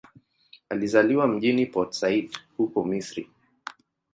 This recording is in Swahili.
Alizaliwa mjini Port Said, huko Misri.